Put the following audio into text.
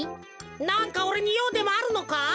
なんかおれにようでもあるのか？